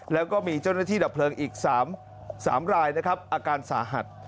แล้วก็มีเจ้าหน้าที่ดับเพลิงอีก๓รายนะครับอาการสาหัส